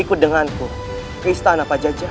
ikut denganku ke istana pak jajah